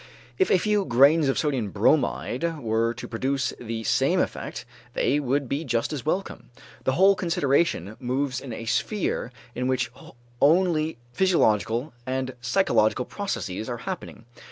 If a few grains of sodium bromide were to produce the same effect, they would be just as welcome. The whole consideration moves in a sphere in which only physiological and psychological processes are happening.